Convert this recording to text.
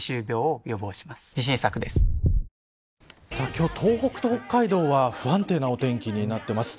今日、東北と北海道は不安定なお天気になっています。